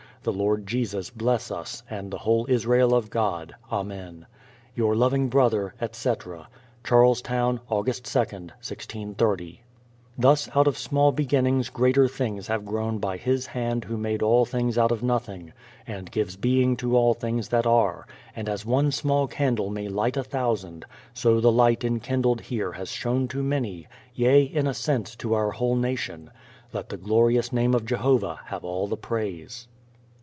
The Lord Jesus bless us, and the whole Israel of God. Amen. Your loving brother, etc. Charlestown, Aug. 2nd, 1630. g^6 BRADFORD'S HISTORY Thus out of small beginnings greater things have grown by His hand Who made all things out of nothing, and gives being to all things that are; and as one small candle may light a thousand, so the light enkindled here has shone to many, yea, in a sense, to our whole nation ; let the glorious name of Jehovah have all the praise.